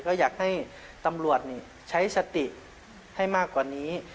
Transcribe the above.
ก็อยากให้ตำรวจใช้สติให้มากกว่านี้